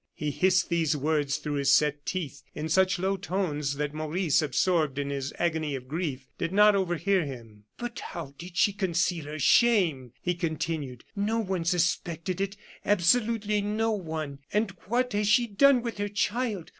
He hissed these words through his set teeth in such low tones that Maurice, absorbed in his agony of grief, did not overhear him. "But how did she conceal her shame?" he continued. "No one suspected it absolutely no one. And what has she done with her child?